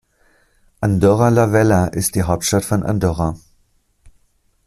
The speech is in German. Andorra la Vella ist die Hauptstadt von Andorra.